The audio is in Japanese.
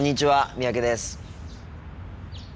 三宅です。